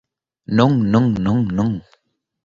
Non, non, non, non.